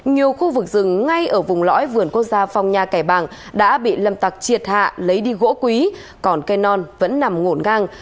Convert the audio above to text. nhiều khu vực rừng ngay ở vùng lõi vườn quốc gia phong nha kẻ bàng đã bị lâm tặc triệt hạ lấy đi gỗ quý còn cây non vẫn nằm ngổn ngang